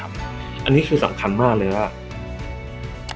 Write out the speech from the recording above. อันนี้คือสำคัญมากเลยว่า